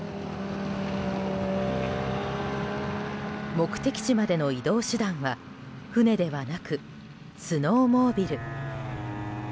目的地までの移動手段は船ではなくスノーモービル。